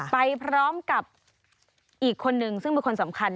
ไปพร้อมกับอีกคนนึงซึ่งเป็นคนสำคัญ